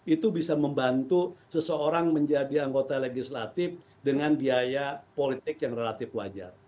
itu bisa membantu seseorang menjadi anggota legislatif dengan biaya politik yang relatif wajar